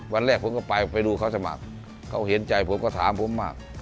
วันแรกผมก็ไปไปดูเขาสมัครเขาเห็นใจผมก็ถามผมมาก